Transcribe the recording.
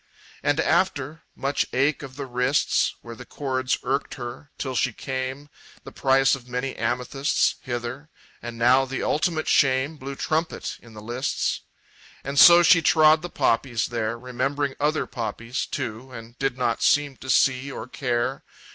And after much ache of the wrists, Where the cords irked her till she came, The price of many amethysts, Hither. And now the ultimate shame Blew trumpet in the lists. And so she trod the poppies there, Remembering other poppies, too, And did not seem to see or care.